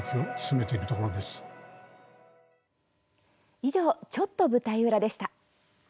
以上「ちょっと舞台裏」でした。